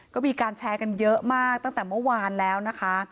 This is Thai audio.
ก็มีการแชร์กันเยอะมากตั้งแต่เมื่อวานแล้วนะคะ